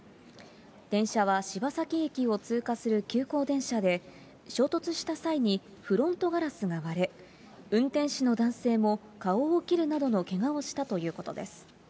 電車は柴崎駅を通過する急行電車で、衝突した際に、フロントガラスが割れ、運転士の男性も顔を切るなどのけがをしたということです。